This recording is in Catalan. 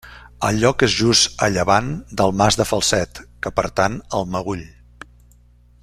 El lloc és just a llevant del Mas de Falset, que pertany al Meüll.